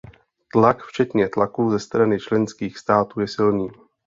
Tlak včetně tlaku ze strany členských států je silný.